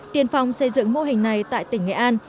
tiền phòng xây dựng mô hình này tại tỉnh nghệ an